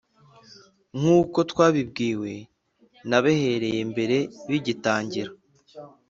Nk uko twabibwiwe n abahereye mbere bigitangira